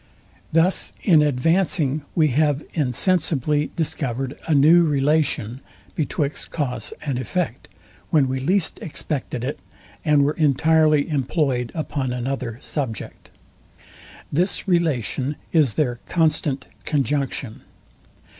Thus in advancing we have insensibly discovered a new relation betwixt cause and effect, when we least expected it, and were entirely employed upon another subject. This relation is their CONSTANT CONJUNCTION.